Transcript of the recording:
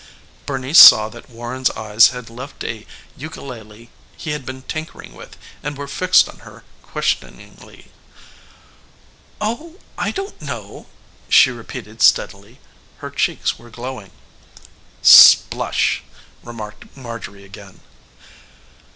Bernice saw that Warren's eyes had left a ukulele he had been tinkering with and were fixed on her questioningly. "Oh, I don't know!" she repeated steadily. Her cheeks were glowing. "Splush!" remarked Marjorie again.